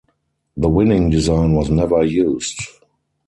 The winning design was never used.